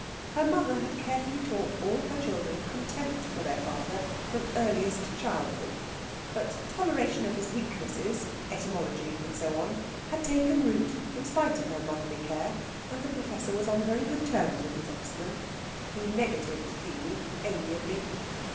Her mother had carefully taught all her children contempt for their father from earliest childhood. But toleration of his weaknesses etymology, and so on had taken root in spite of her motherly care, and the Professor was on very good terms with his offspring. He negatived Theeny amiably.